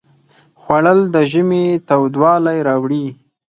خوړل د ژمي تودوالی راوړي